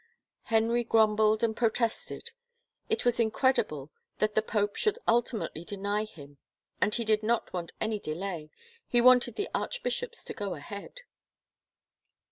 Henry grumbled and protested. It was incredible that the pope should ultimately deny him and he did not want any delay, he wanted the archbishops to go ahead.